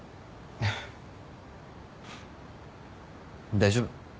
大丈夫。